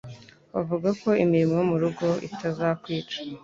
Bavuga ko imirimo yo mu rugo itazakwica,